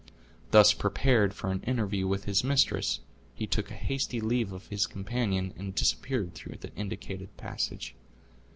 Thus prepared for an interview with his mistress, he took a hasty leave of his companion, and disappeared through the indicated passage.